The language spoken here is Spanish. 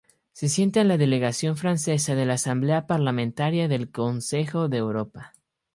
Se sienta en la delegación francesa de la Asamblea Parlamentaria del Consejo de Europa.